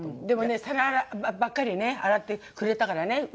でもね皿ばっかりね洗ってくれたからね